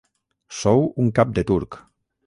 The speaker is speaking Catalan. Sou un cap de turc.